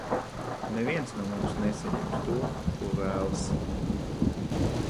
Neviens no mums nesaņems to, ko vēlas!